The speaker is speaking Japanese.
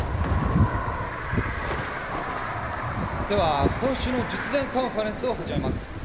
では今週の術前カンファレンスを始めます。